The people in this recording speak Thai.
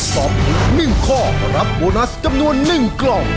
ตอบถูก๑ข้อรับโบนัสจำนวน๑กล่อง